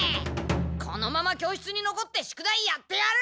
このまま教室にのこって宿題やってやる！